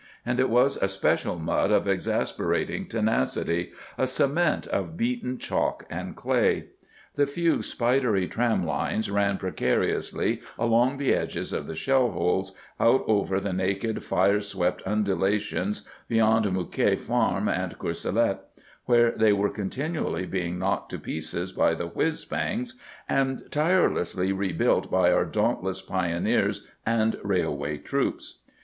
And it was a special mud of exasperating tenacity, a cement of beaten chalk and clay. The few spidery tram lines ran precariously along the edges of the shell holes, out over the naked, fire swept undulations beyond Mouquet Farm and Courcelette, where they were continually being knocked to pieces by the "whizz bangs," and tirelessly rebuilt by our dauntless pioneers and railway troops.